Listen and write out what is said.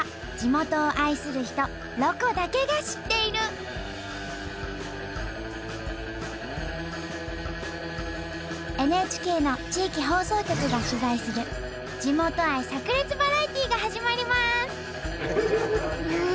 それはＮＨＫの地域放送局が取材する地元愛さく裂バラエティーが始まります！